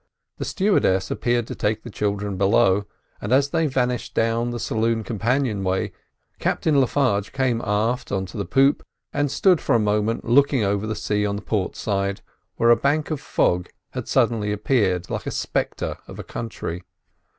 The stewardess appeared to take the children below; and as they vanished down the saloon companion way Captain Le Farge came aft, on to the poop, and stood for a moment looking over the sea on the port side, where a bank of fog had suddenly appeared like the spectre of a country.